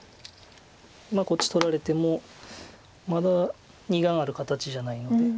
こっち取られてもまだ２眼ある形じゃないので。